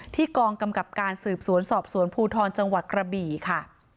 กองกำกับการสืบสวนสอบสวนภูทรจังหวัดกระบี่ค่ะ